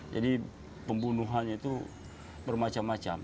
jadi pembunuhannya itu bermacam macam